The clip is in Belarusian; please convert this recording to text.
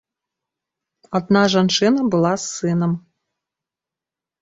Адна жанчына была з сынам.